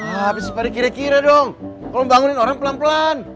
habis pada kira kira dong kalau membangun orang pelan pelan